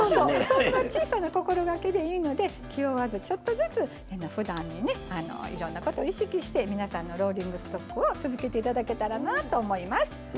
そんな小さな心がけでいいので気負わずちょっとずつふだんにねいろんなことを意識して皆さんのローリングストックを続けていただけたらなと思います。